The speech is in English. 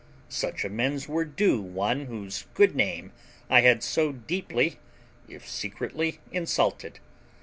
Such amends were due one whose good name I had so deeply if secretly insulted.